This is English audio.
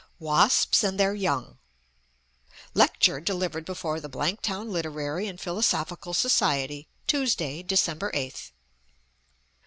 "WASPS AND THEIR YOUNG "_Lecture delivered before the Blanktown Literary and Philosophical Society, Tuesday, December 8th.